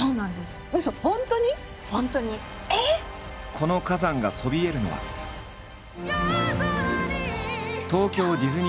この火山がそびえるのは東京ディズニーシー。